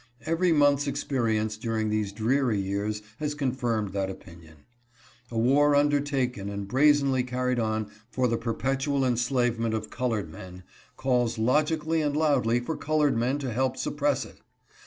Every month's experience during these dreary years has confirmed that opinion. A war undertaken and brazenly carried on for the perpetual enslavement of colored men, calls logically and loudly for colored men to help suppress it.